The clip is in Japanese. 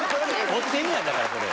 盗ってんねやだからそれ。